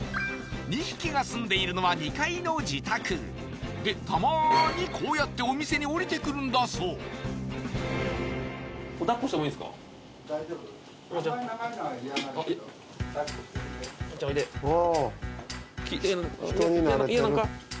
２匹がすんでいるのは２階の自宅でたまにこうやってお店に下りてくるんだそうモモちゃんおいで嫌なのか？